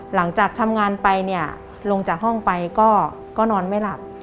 หลังจากทำงานไปเนี่ยลงจากห้องไปก็นอนไม่หลับ